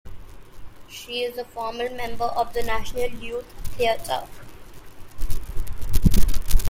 She is a former member of the National Youth Theatre.